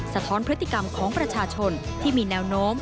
ท้อนพฤติกรรมของประชาชนที่มีแนวโน้ม